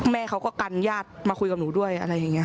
แม่เขาก็กันญาติมาคุยกับหนูด้วยอะไรอย่างนี้